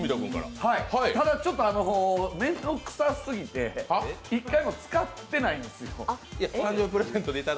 ただ、面倒くさすぎて、一回も使ってないんですよ。